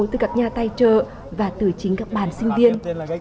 từ các nhà tài trợ và từ chính các bạn sinh viên